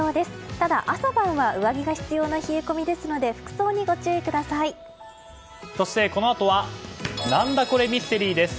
ただ、朝晩は上着が必要な冷え込みですのでそして、このあとは「何だコレ！？ミステリー」です。